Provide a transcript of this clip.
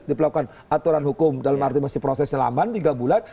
diperlakukan aturan hukum dalam arti masih prosesnya laman tiga bulan